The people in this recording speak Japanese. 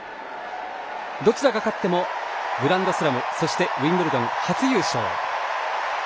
どちらが勝ってもグランドスラムそしてウィンブルドン初優勝。